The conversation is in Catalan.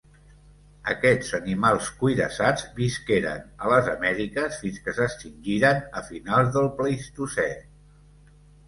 Aquests animals cuirassats visqueren a les Amèriques fins que s'extingiren a finals del Plistocè.